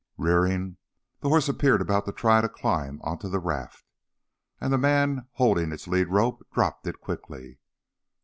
Rearing, the horse appeared about to try to climb onto the raft. And the man holding its lead rope dropped it quickly.